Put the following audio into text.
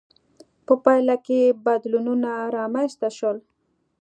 په پایله کې بدلونونه رامنځته شول.